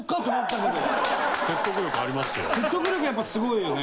説得力やっぱすごいよね。